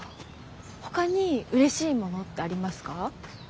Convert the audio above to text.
ほかにうれしいものってありますか？